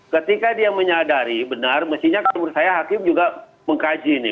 ketika dia menyadari benar mestinya kalau menurut saya hakim juga mengkaji ini